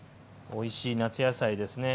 おいしい夏野菜ですね。